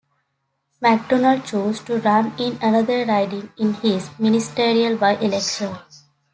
Macdonald chose to run in another riding in his ministerial by-election.